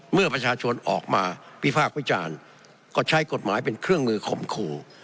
เมื่อประชาชนออกมาวิพากษ์วิจารณ์ก็ใช้กฎหมายเป็นเครื่องมือข่มขู่